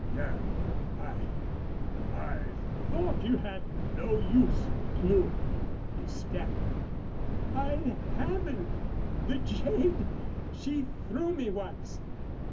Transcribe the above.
"Girl, I I thought you hadn't no use for Plume," he stammered. "I haven't the jade! She threw me once.